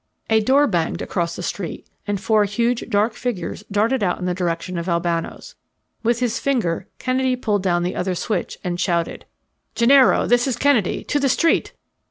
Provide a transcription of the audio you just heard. A door banged open across the street, and four huge dark figures darted out in the direction of Albano's. With his finger Kennedy pulled down the other switch and shouted: "Gennaro, this is Kennedy! To the street!